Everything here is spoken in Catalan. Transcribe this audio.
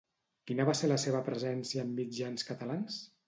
Quina va ser la seva presència en mitjans catalans?